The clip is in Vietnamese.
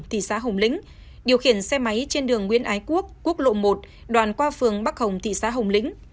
thị xã hồng lĩnh điều khiển xe máy trên đường nguyễn ái quốc quốc lộ một đoạn qua phường bắc hồng thị xã hồng lĩnh